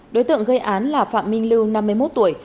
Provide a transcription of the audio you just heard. đối tượng gây án là phạm minh lưu năm mươi một tuổi